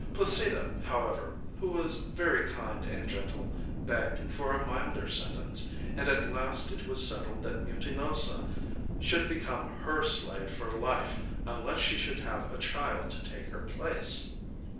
Placida, however, who was very kind and gentle, begged for a milder sentence, and at last it was settled that Mutinosa should become her slave for life unless she should have a child to take her place.